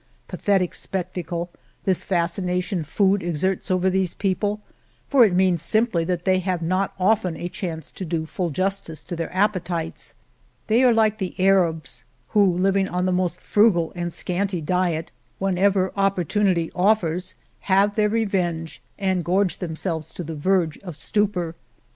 Pa thetic spectacle — this fascination food exerts over these people, for it means simply that they have not often a chance to do full jus tice to their appetites. They are like the Arabs, who, living on the most frugal and 202 On the Road to Los Molinos, The Morena scanty diet, whenever opportunity offers, have their revenge and gorge themselves to the verge of stupor.